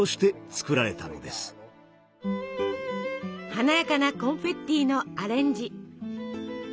華やかなコンフェッティのアレンジ。